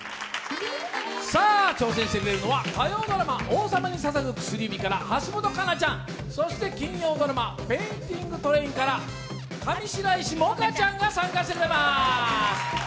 挑戦してくれるのは火曜ドラマ「王様に捧ぐ薬指」から橋本環奈ちゃん、金曜ドラマ「ペンディングトレイン」から上白石萌歌ちゃんが参加してくれます。